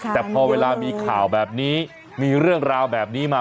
แต่พอเวลามีข่าวแบบนี้มีเรื่องราวแบบนี้มา